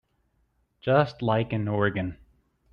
Just like an organ.